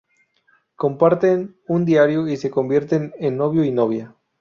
Comparten un diario, y se convierten en novio y novia.